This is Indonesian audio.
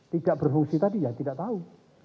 tidak berfungsi tadi ya tidak tahu